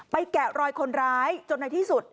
แกะรอยคนร้ายจนในที่สุด